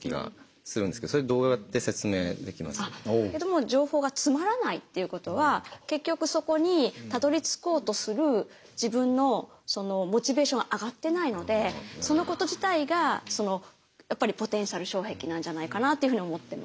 もう情報がつまらないっていうことは結局そこにたどりつこうとするそのこと自体がやっぱりポテンシャル障壁なんじゃないかなっていうふうに思ってます。